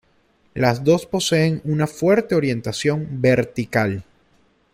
Las dos poseen una fuerte orientación vertical.